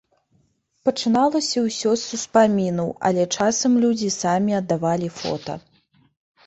Пачыналася ўсё з успамінаў, але часам людзі самі аддавалі фота.